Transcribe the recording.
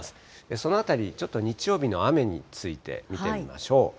そのあたり、ちょっと日曜日の雨について見てみましょう。